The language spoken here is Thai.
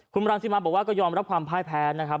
คุณรังสิมาบอกว่าก็ยอมรับความพ่ายแพ้นะครับ